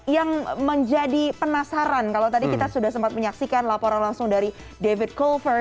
yang menjadi penasaran kalau tadi kita sudah sempat menyaksikan laporan langsung dari david colver